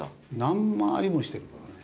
何回りもしてるからね。